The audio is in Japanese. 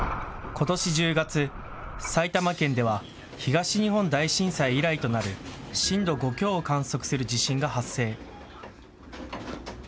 ことし１０月、埼玉県では東日本大震災以来となる震度５強を観測する地震が発生。